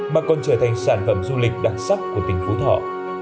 mà còn trở thành sản phẩm du lịch đặc sắc của tỉnh phú thọ